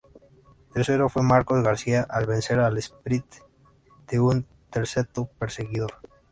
Tercero fue Marcos García, al vencer el "sprint" de un terceto perseguidor.